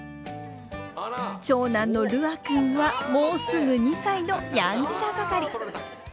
長男の優愛君はもうすぐ２歳のやんちゃ盛り！